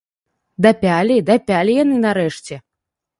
Дапялі, дапялі яны нарэшце!